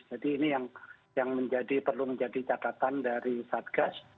jadi ini yang perlu menjadi catatan dari satgas